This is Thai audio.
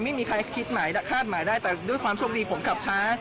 ไม่มีใครคิดหมายคาดหมายได้แต่ด้วยความโชคดีผมขับช้า